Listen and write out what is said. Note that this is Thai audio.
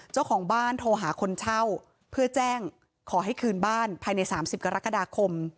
เจ้าของบ้านโทรหาคนเช่าเพื่อแจ้งขอให้คืนบ้านภายใน๓๐กรกฎาคม